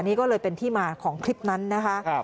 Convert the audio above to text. นี่ก็เลยเป็นที่มาของคลิปนั้นนะคะ